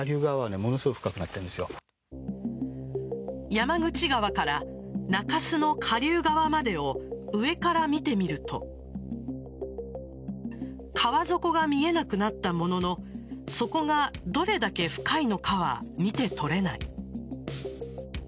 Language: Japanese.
山口川から中州の下流側までを上から見てみると川底が見えなくなったもののそこがどれだけ深いのかは見て取れない。